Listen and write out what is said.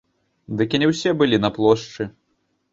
Дык і не ўсе былі на плошчы!